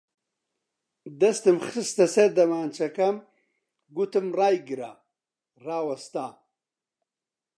دەستم خستە سەر دەمانچەکەم، گوتم ڕایگرە! ڕاوەستا